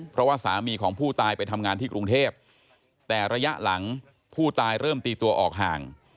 เพราะว่าสามีของผู้ตายไปทำงานที่กรุงเทพแต่ระยะหลังผู้ตายเริ่มตีตัวออกห่าง